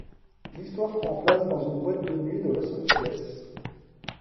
L'histoire prend place dans une boîte de nuit de Los Angeles.